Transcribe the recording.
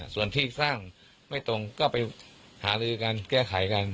ส่วนที่สร้างไม่ตรงก็ไปหาลือกันแก้ไขกัน